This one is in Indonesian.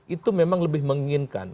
itu memang lebih menginginkan